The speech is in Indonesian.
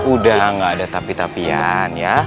udah gak ada tapi tapian ya